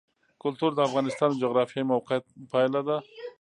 کلتور د افغانستان د جغرافیایي موقیعت پایله ده.